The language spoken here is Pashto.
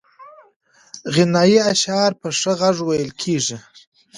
غنایي اشعار په ښه غږ ویل کېږي.